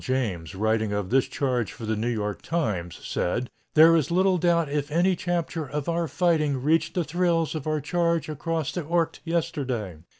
James, writing of this charge for the New York Times, said: "There is doubt if any chapter of our fighting reached the thrills of our charge across the Ourcq yesterday.